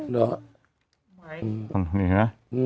เห็นไหม